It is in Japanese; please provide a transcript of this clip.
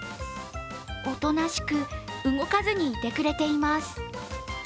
おとなしく動かずにいてくれています。